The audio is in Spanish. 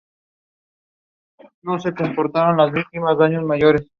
Una de ellas representa a Medusa, otra una máscara de teatro.